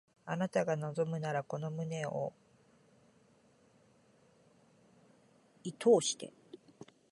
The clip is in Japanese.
あなたが望むならこの胸を射通して